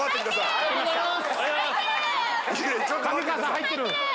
ありがとうございます。